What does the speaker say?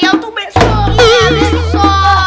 yel tuh benso